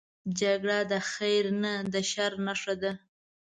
جګړه د خیر نه، د شر نښه ده